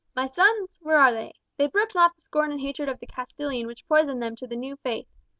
My sons? Where are they? They brooked not the scorn and hatred of the Castillian which poisoned to them the new faith.